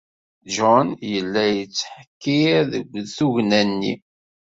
John yella yettḥekkir deg tugna-nni.